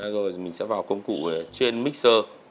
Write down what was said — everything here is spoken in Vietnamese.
rồi mình sẽ vào công cụ trên mixer